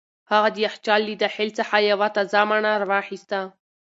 هغه د یخچال له داخل څخه یوه تازه مڼه را واخیسته.